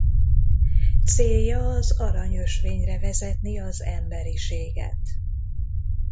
Célja az Arany Ösvényre vezetni az emberiséget.